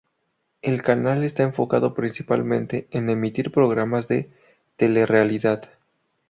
El canal está enfocado principalmente en emitir programas de telerrealidad.